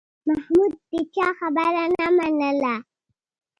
محمود د چا خبره نه منله.